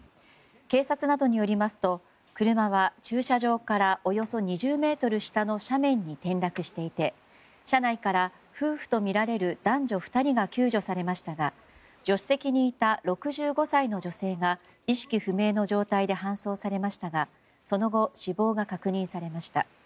警察などによりますと、車は駐車場からおよそ２０ｍ下の斜面に転落していて車内から、夫婦とみられる男女２人が救助されましたが助手席にいた６５歳の女性が意識不明の状態で搬送されましたがその後、死亡が確認されました。